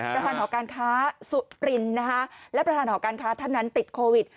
ประธานหอการค้าสุรินนะคะและประธานหอการค้าท่านนั้นติดโควิด